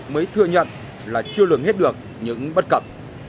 mới thừa nhận là chưa lường hết được những bất cập